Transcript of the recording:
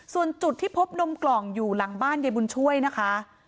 ส่วนจุดที่พบนมกล่องอยู่หลังบ้านยายบุญช่วยนะคะ